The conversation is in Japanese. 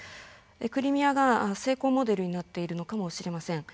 クリミアが成功モデルになっているのかもしれません。